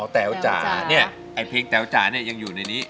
อ๋อแตวจาไอ้เพลงแตวจาเนี่ยยังอยู่ในนี้